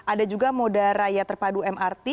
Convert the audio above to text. ada juga moda raya terpadu mrt